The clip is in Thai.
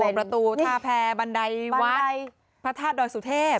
ประตูท่าแพรบันไดวัดพระธาตุดอยสุเทพ